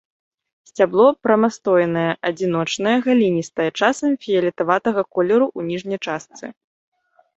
Сцябло прамастойнае, адзіночнае, галінастае, часам фіялетавага колеру ў ніжняй частцы.